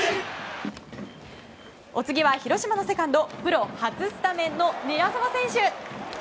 お次は広島のセカンドプロ初スタメンの韮澤選手。